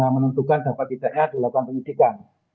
menentukan dapat didaknya dilakukan penyelidikan